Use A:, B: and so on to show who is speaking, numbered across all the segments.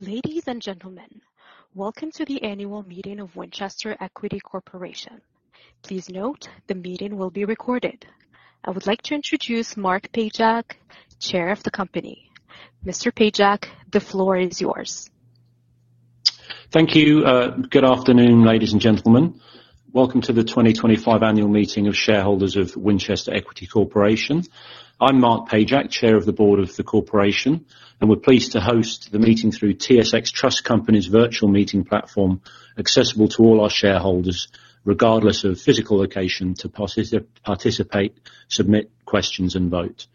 A: Ladies and gentlemen, welcome to the annual meeting of Winchester Equity Corporation. Please note the meeting will be recorded. I would like to introduce Mark Pajak, Chair of the Company. Mr. Pajak, the floor is yours.
B: Thank you. Good afternoon, ladies and gentlemen. Welcome to the 2025 annual meeting of shareholders of Winchester Equity Corporation. I'm Mark Pajak, Chair of the Board of the Corporation, and we're pleased to host the meeting through TSX Trust Company's virtual meeting platform, accessible to all our shareholders regardless of physical location, to participate, submit questions, and vote.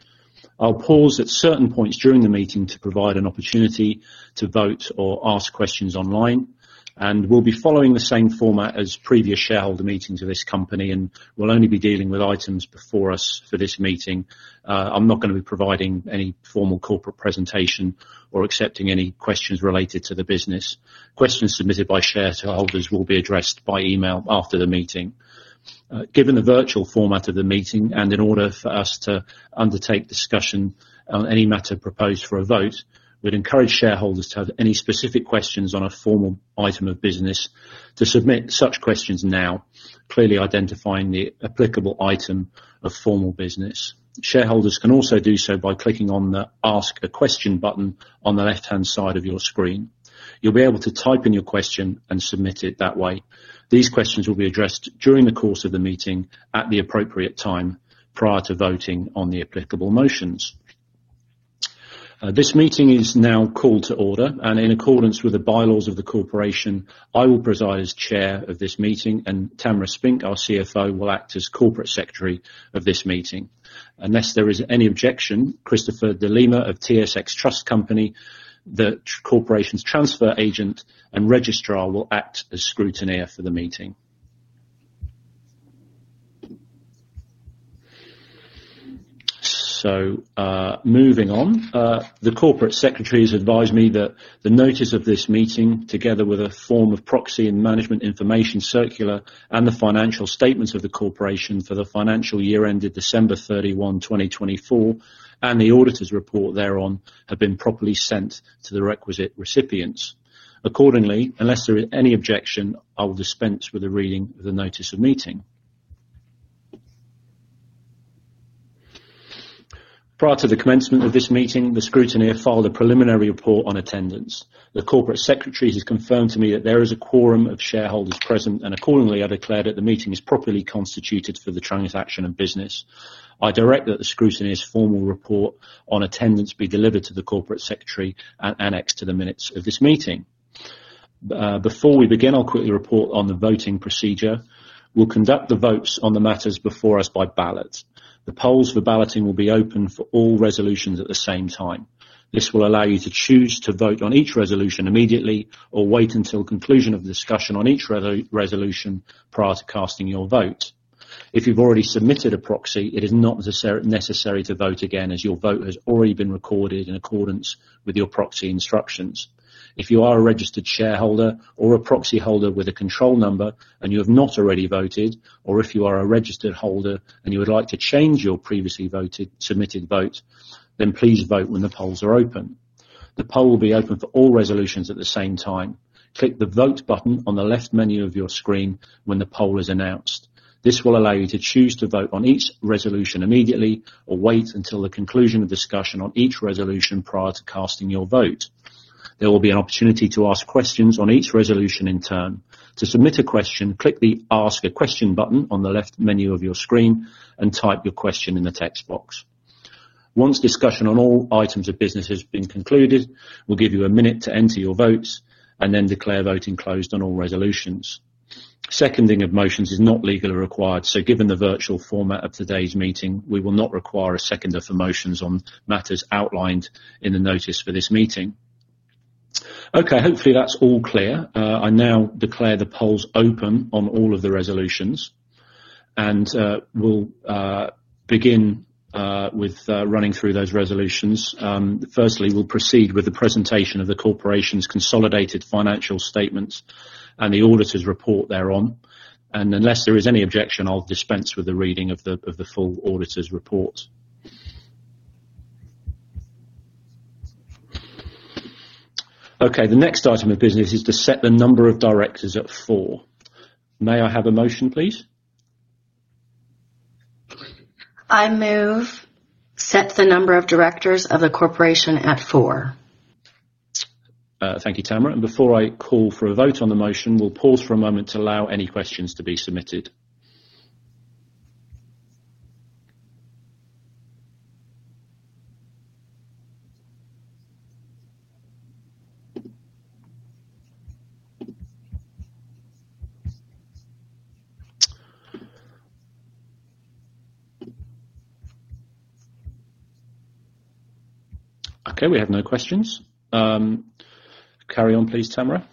B: I'll pause at certain points during the meeting to provide an opportunity to vote or ask questions online, and we'll be following the same format as previous shareholder meetings of this company, and we'll only be dealing with items before us for this meeting. I'm not going to be providing any formal corporate presentation or accepting any questions related to the business. Questions submitted by shareholders will be addressed by email after the meeting. Given the virtual format of the meeting and in order for us to undertake discussion on any matter proposed for a vote, we'd encourage shareholders to have any specific questions on a formal item of business to submit such questions now, clearly identifying the applicable item of formal business. Shareholders can also do so by clicking on the "Ask a Question" button on the left-hand side of your screen. You'll be able to type in your question and submit it that way. These questions will be addressed during the course of the meeting at the appropriate time prior to voting on the applicable motions. This meeting is now called to order, and in accordance with the bylaws of the Corporation, I will preside as Chair of this meeting, and Tamra Spink, our CFO, will act as Corporate Secretary of this meeting. Unless there is any objection, Christopher de Lima of TSX Trust Company, the Corporation's Transfer Agent and Registrar, will act as scrutineer for the meeting. Moving on, the Corporate Secretary has advised me that the notice of this meeting, together with a form of proxy and management information circular, and the financial statements of the Corporation for the financial year ended December 31, 2024, and the auditor's report thereon have been properly sent to the requisite recipients. Accordingly, unless there is any objection, I will dispense with a reading of the notice of meeting. Prior to the commencement of this meeting, the scrutineer filed a preliminary report on attendance. The Corporate Secretary has confirmed to me that there is a quorum of shareholders present, and accordingly, I declare that the meeting is properly constituted for the transaction of business. I direct that the scrutineer's formal report on attendance be delivered to the Corporate Secretary and annexed to the minutes of this meeting. Before we begin, I'll quickly report on the voting procedure. We'll conduct the votes on the matters before us by ballot. The polls for balloting will be open for all resolutions at the same time. This will allow you to choose to vote on each resolution immediately or wait until the conclusion of the discussion on each resolution prior to casting your vote. If you've already submitted a proxy, it is not necessary to vote again as your vote has already been recorded in accordance with your proxy instructions. If you are a registered shareholder or a proxy holder with a control number and you have not already voted, or if you are a registered holder and you would like to change your previously voted, submitted vote, then please vote when the polls are open. The poll will be open for all resolutions at the same time. Click the "Vote" button on the left menu of your screen when the poll is announced. This will allow you to choose to vote on each resolution immediately or wait until the conclusion of discussion on each resolution prior to casting your vote. There will be an opportunity to ask questions on each resolution in turn. To submit a question, click the "Ask a Question" button on the left menu of your screen and type your question in the text box. Once discussion on all items of business has been concluded, we'll give you a minute to enter your votes and then declare voting closed on all resolutions. Seconding of motions is not legally required, so given the virtual format of today's meeting, we will not require a seconder for motions on matters outlined in the notice for this meeting. Okay, hopefully that's all clear. I now declare the polls open on all of the resolutions, and we'll begin with running through those resolutions. Firstly, we'll proceed with the presentation of the Corporation's consolidated financial statements and the auditor's report thereon. Unless there is any objection, I'll dispense with a reading of the full auditor's report. The next item of business is to set the number of directors at four. May I have a motion, please?
C: I move to set the number of directors of the Corporation at four.
B: Thank you, Tamra. Before I call for a vote on the motion, we'll pause for a moment to allow any questions to be submitted. Okay, we have no questions. Carry on, please, Tamra.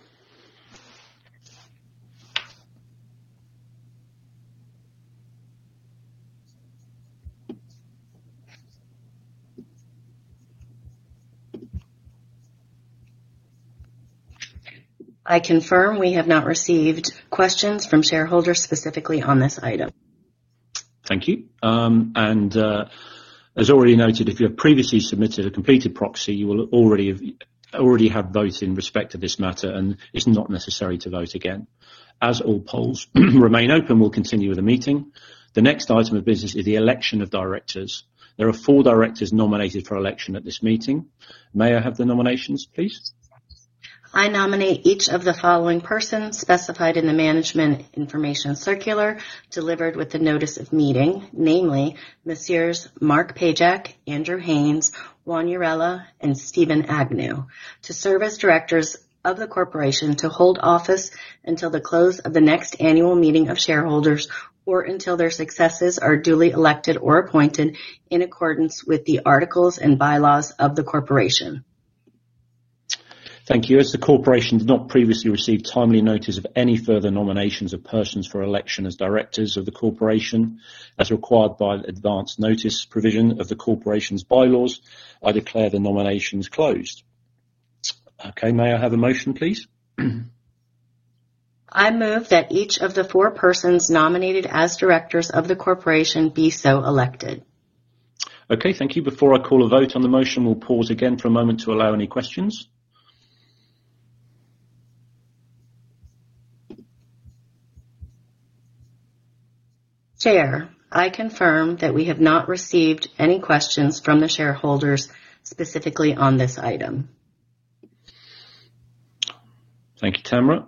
C: I confirm we have not received questions from shareholders specifically on this item.
B: Thank you. As already noted, if you have previously submitted a completed proxy, you will already have voted in respect to this matter and it's not necessary to vote again. As all polls remain open, we'll continue with the meeting. The next item of business is the election of directors. There are four directors nominated for election at this meeting. May I have the nominations, please?
C: I nominate each of the following persons specified in the management information circular delivered with the notice of meeting, namely Ms. Sears, Mark Pajak, Andrew Haines, Juan Urruela, and Steven Agnew, to serve as directors of the Corporation to hold office until the close of the next annual meeting of shareholders or until their successors are duly elected or appointed in accordance with the articles and bylaws of the Corporation.
B: Thank you. As the Corporation did not previously receive timely notice of any further nominations of persons for election as directors of the Corporation as required by the advance notice provision of the Corporation's bylaws, I declare the nominations closed. Okay, may I have a motion, please?
C: I move that each of the four persons nominated as directors of the Corporation be so elected.
B: Okay, thank you. Before I call a vote on the motion, we'll pause again for a moment to allow any questions.
C: Chair, I confirm that we have not received any questions from the shareholders specifically on this item.
B: Thank you, Tamra.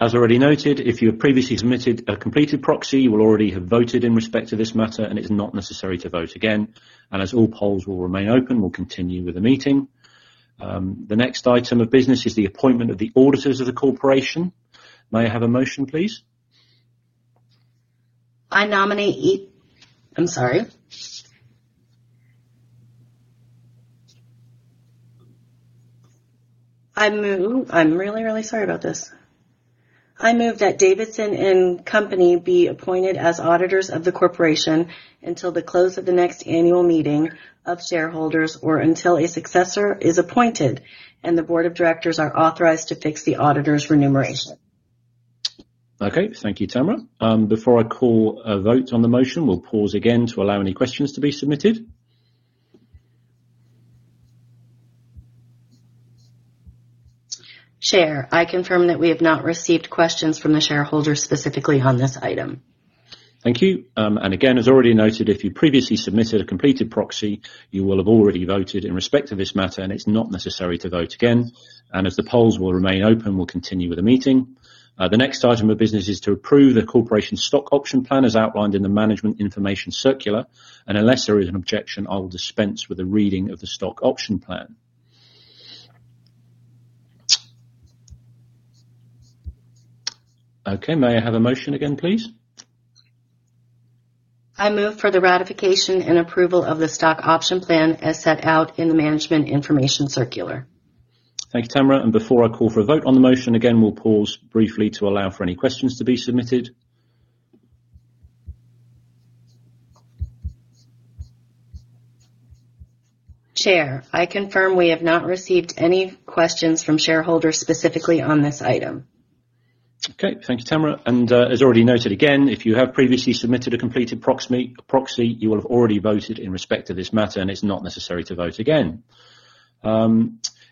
B: As already noted, if you have previously submitted a completed proxy, you will already have voted in respect to this matter and it's not necessary to vote again. As all polls will remain open, we'll continue with the meeting. The next item of business is the appointment of the auditors of the Corporation. May I have a motion, please?
C: I move that Davidson & Company be appointed as auditors of the Corporation until the close of the next annual meeting of shareholders or until a successor is appointed, and the board of directors are authorized to fix the auditor's remuneration.
B: Okay, thank you, Tamra. Before I call a vote on the motion, we'll pause again to allow any questions to be submitted.
C: Chair, I confirm that we have not received questions from the shareholders specifically on this item.
B: Thank you. As already noted, if you previously submitted a completed proxy, you will have already voted in respect to this matter and it's not necessary to vote again. As the polls will remain open, we'll continue with the meeting. The next item of business is to approve the Corporation's Stock Option Plan as outlined in the management information circular. Unless there is an objection, I will dispense with a reading of the Stock Option Plan. Okay, may I have a motion again, please?
C: I move for the ratification and approval of the Stock Option Plan as set out in the management information circular.
B: Thank you, Tamra. Before I call for a vote on the motion again, we'll pause briefly to allow for any questions to be submitted.
C: Chair, I confirm we have not received any questions from shareholders specifically on this item.
B: Okay, thank you, Tamra. As already noted, if you have previously submitted a completed proxy, you will have already voted in respect to this matter and it's not necessary to vote again.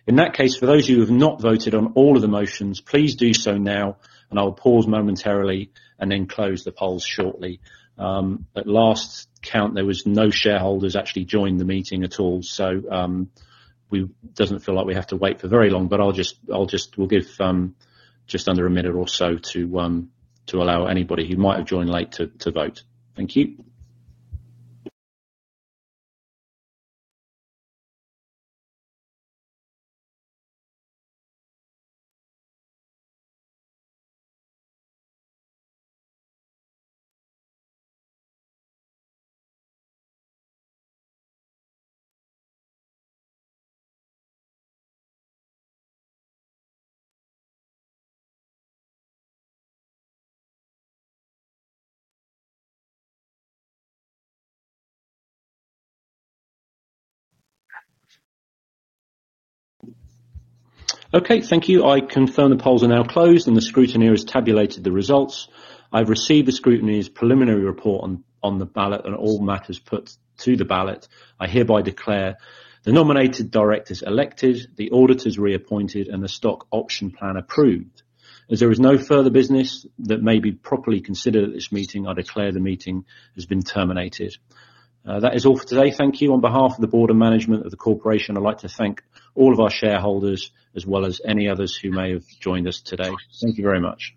B: In that case, for those of you who have not voted on all of the motions, please do so now. I'll pause momentarily and then close the polls shortly. At last count, there were no shareholders actually joining the meeting at all. It doesn't feel like we have to wait for very long, but we'll give just under a minute or so to allow anybody who might have joined late to vote. Thank you. Okay, thank you. I confirm the polls are now closed and the scrutineer has tabulated the results. I've received the scrutineer's preliminary report on the ballot and all matters put to the ballot. I hereby declare the nominated directors elected, the auditors reappointed, and the Stock Option Plan approved. As there is no further business that may be properly considered at this meeting, I declare the meeting has been terminated. That is all for today. Thank you. On behalf of the Board of Management of the Corporation, I'd like to thank all of our shareholders as well as any others who may have joined us today. Thank you very much.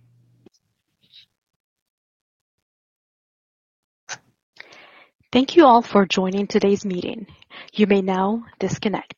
A: Thank you all for joining today's meeting. You may now disconnect.